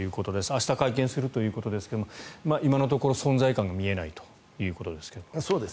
明日、会見するということですが今のところ存在感が見えないということですが。